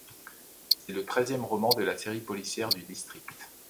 C’est le treizième roman de la série policière du District.